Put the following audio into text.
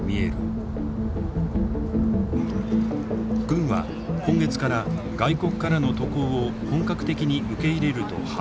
軍は今月から外国からの渡航を本格的に受け入れると発表。